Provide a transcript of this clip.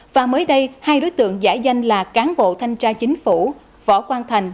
và mới đây hai đối tượng giải danh là cán bộ thanh tra chính phủ võ quang thành